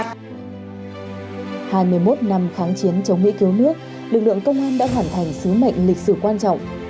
năm hai nghìn một mươi một năm kháng chiến chống mỹ cứu nước lực lượng công an đã hoàn thành sứ mệnh lịch sử quan trọng